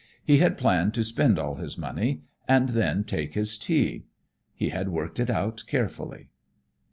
He had planned to spend all his money, and then take his tea; he had worked it out carefully."